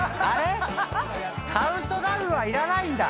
カウントダウンはいらないんだ。